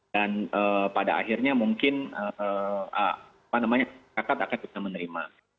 dan pada akhirnya mungkin kakak kakak bisa menerima